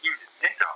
じゃあ。